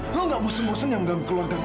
lu gak bosen bosen yang gak keluar kaka